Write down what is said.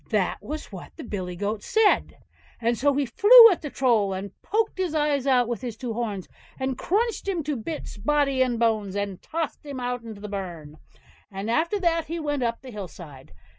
That was what the big billy goat said; and so he flew at the Troll and poked his eyes out with his horns, and crushed him to bits, body and bones, and tossed him out into the burn, and after that he went up to the hill side.